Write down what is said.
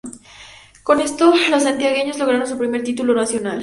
Con esto, los santiagueños lograron su primer título nacional.